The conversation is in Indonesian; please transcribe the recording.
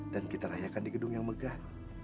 dan kita rayakan di gedung yang megah